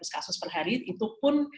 kasus per hari itu pun